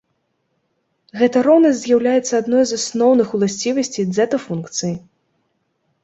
Гэта роўнасць з'яўляецца адной з асноўных уласцівасцей дзэта-функцыі.